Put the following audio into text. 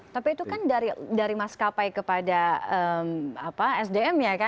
tapi itu kan dari mas kapai kepada sdm ya